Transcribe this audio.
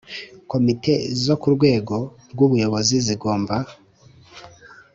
Komitezo ku rwego rw buyobozi zigomba